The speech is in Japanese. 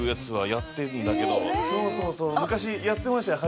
そうそうそう昔やってましたね